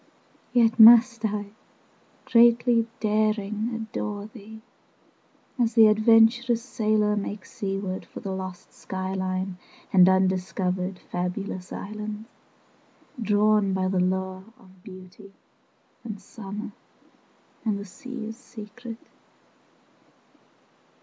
20 Yet must I, greatly Daring, adore thee, As the adventurous Sailor makes seaward For the lost sky line 25 And undiscovered Fabulous islands, Drawn by the lure of Beauty and summer And the sea's secret.